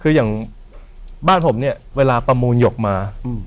คืออย่างบ้านผมเนี่ยเวลาประมูลหยกมา